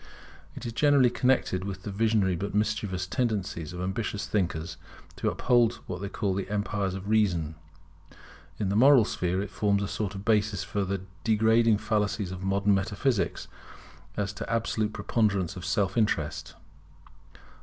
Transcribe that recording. It is generally connected with the visionary but mischievous tendencies of ambitious thinkers to uphold what they call the empire of Reason. In the moral sphere it forms a sort of basis for the degrading fallacies of modern metaphysicians as to the absolute preponderance of self interest.